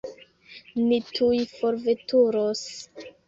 Ni tuj forveturos.